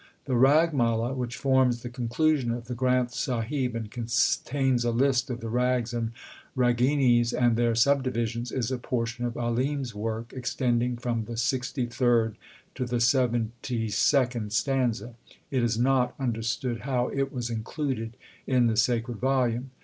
1 The Rag Mala, which forms the con clusion of the Granth Sahib and contains a list of the rags and raginis and their subdivisions, is a por tion of Alim s work extending from the sixty third to the seventy second stanza. It is not understood how it was included in the sacred volume.